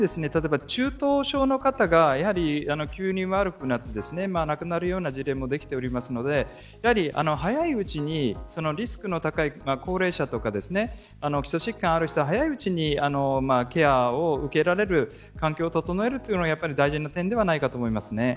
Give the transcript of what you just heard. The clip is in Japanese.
実際に例えば、中等症の方が急に悪くなって亡くなるような事例も出ておりますのでやはり早いうちにリスクの高い高齢者とか基礎疾患がある人が早いうちにケアを受けられる環境を整えるというのがやはり大事な点ではないかと思います。